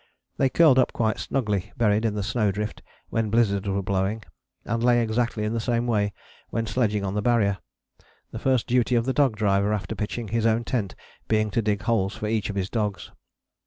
They curled up quite snugly buried in the snowdrift when blizzards were blowing, and lay exactly in the same way when sledging on the Barrier, the first duty of the dog driver after pitching his own tent being to dig holes for each of his dogs.